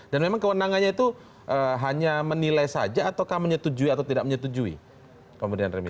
dan memang kewenangannya itu hanya menilai saja atau menyetujui atau tidak menyetujui kemudian remisi